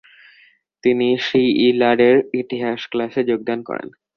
তিনি শিইলারের ইতিহাস ক্লাসে যোগদান করেন।